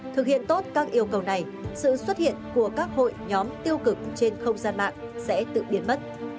thực hiện tốt các yêu cầu này sự xuất hiện của các hội nhóm tiêu cực trên không gian mạng sẽ tự biến mất